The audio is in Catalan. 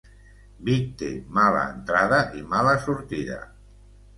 Vic té mala entrada i mala sortida.